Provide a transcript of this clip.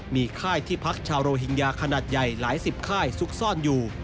มีค่ายที่พักชาวโรฮิงญาขนาดใหญ่หลายสิบค่ายซุกซ่อนอยู่